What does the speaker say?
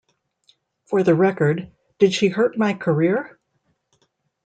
For the record, did she hurt my career?